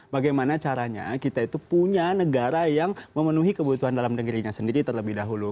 bagaimana caranya kita itu punya negara yang memenuhi kebutuhan dalam negerinya sendiri terlebih dahulu